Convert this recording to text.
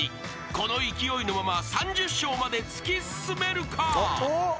この勢いのまま３０笑まで突き進めるか？］